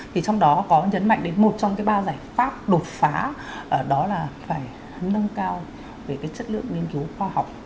thì trong đó có nhấn mạnh đến một trong cái ba giải pháp đột phá đó là phải nâng cao về cái chất lượng nghiên cứu khoa học